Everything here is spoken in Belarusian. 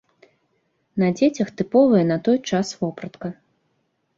На дзецях тыповая на той час вопратка.